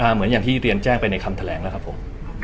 เหมือนอย่างที่เรียนแจ้งไปในคำแถลงแล้วครับผม